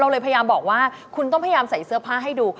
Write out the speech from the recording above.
เลยพยายามบอกว่าคุณต้องพยายามใส่เสื้อผ้าให้ดู